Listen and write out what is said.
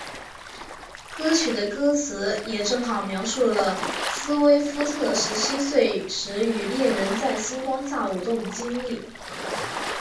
歌曲的歌词也正好描述了斯威夫特十七岁时与恋人在星光下跳舞的经历。